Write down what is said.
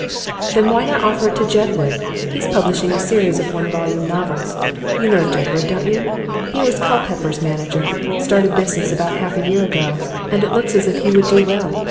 'Then why not offer it to Jedwood? He's publishing a series of one volume novels. You know of Jedwood, don't you? He was Culpepper's manager; started business about half a year ago, and it looks as if he would do well.